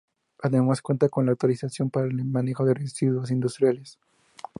Además cuenta con la autorización para el manejo de residuos industriales.